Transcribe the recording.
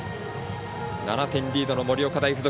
７点リードの盛岡大付属。